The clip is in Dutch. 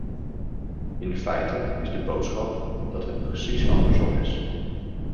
In feite is de boodschap dat het precies andersom is.